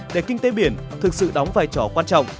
để kinh tế biển thực sự đóng vai trò quan trọng